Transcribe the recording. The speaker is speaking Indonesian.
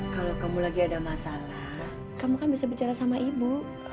kalau kamu lagi ada masalah kamu kan bisa bicara sama ibu